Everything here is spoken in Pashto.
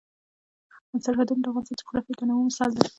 سرحدونه د افغانستان د جغرافیوي تنوع مثال دی.